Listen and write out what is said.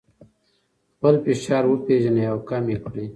خپل فشار وپیژنئ او کم یې کړئ.